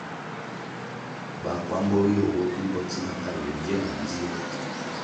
Bakwambo yogo bo bimbo tsina ka ywe ngie ma ndzio.